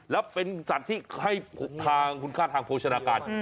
แล้วเป็นสัตว์ที่ให้ทางคุณค่าทางโภชนาการ